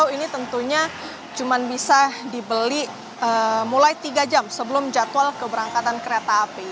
ini tentunya cuma bisa dibeli mulai tiga jam sebelum jadwal keberangkatan kereta api